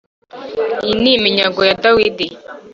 iyi ni iminyago ya Dawidi